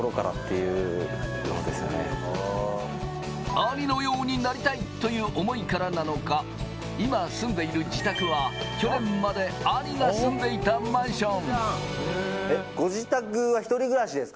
兄のようになりたい！という思いからなのか、今、住んでいる自宅は去年まで兄が住んでいたマンション。